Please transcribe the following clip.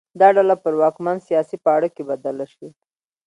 دا ډله پر واکمن سیاسي پاړکي بدله شي